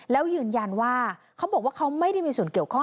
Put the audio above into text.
แล้วยืนยันว่าเขาบอกว่าเขาไม่ได้มีส่วนเกี่ยวข้อง